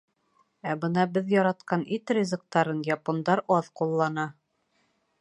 Ә бына беҙ яратҡан ит ризыҡтарын япондар аҙ ҡуллана.